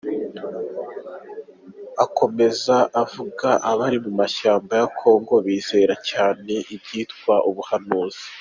Akomeza avuga abari mu mashyamba ya Congo bizera cyane ibyitwa ubuhanuzi.